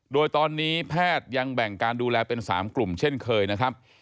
โดยตอนนี้แพทย์ยังแบ่งการดูแลเป็น๓กลุ่มเช่นเคยนะครับ